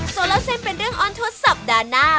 ส่วนเล่าเส้นเป็นเรื่องออนทศสัปดาห์หน้า